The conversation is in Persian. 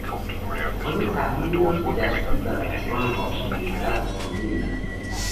آیا تحلیلی را که دشتی بر اشعار حافظ نوشته است خواندهای؟